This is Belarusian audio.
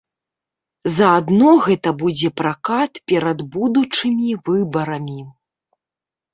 Заадно гэта будзе пракат перад будучымі выбарамі.